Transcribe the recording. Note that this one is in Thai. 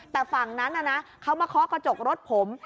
แต่ฝั่งนั้นน่ะนะเขามาเคาะกระจกรถผม